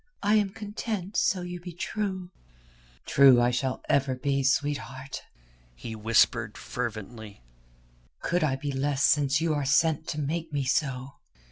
I am content so you be true." "True I shall ever be, sweetheart," he whispered fervently. "Could I be less since you are sent to make me so?"